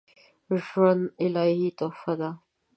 ژوند الهي تحفه ده